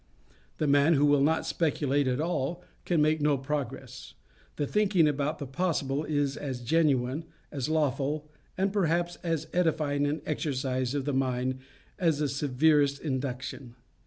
The man who will not speculate at all, can make no progress. The thinking about the possible is as genuine, as lawful, and perhaps as edifying an exercise of the mind as the severest induction.